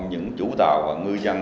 những chủ tàu và ngư dân